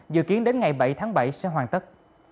dự kiến đến ngày bảy tháng bảy sẽ hoàn tất